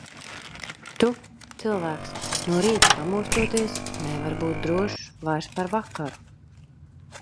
Tu, cilvēks, no rīta pamostoties, nevari būt drošs vairs par vakaru.